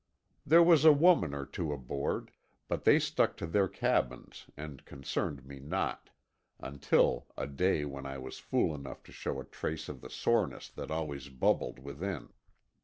There was a woman or two aboard, but they stuck to their cabins and concerned me not—until a day when I was fool enough to show a trace of the soreness that always bubbled within.